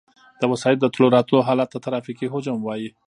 د وسایطو د تلو راتلو حالت ته ترافیکي حجم وایي